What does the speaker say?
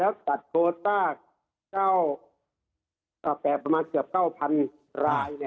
แล้วตัดโคต้า๙๘ประมาณเกือบ๙๐๐ราย